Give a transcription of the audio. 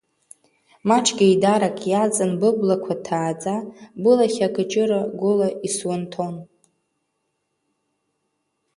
Маҷк еидарак иаҵан, быблақәа ҭааӡа, былахь акыҷыра гәыла исуанҭон.